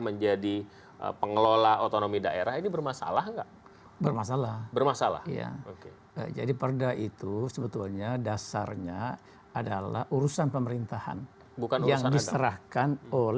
kan juga ada dilampirkan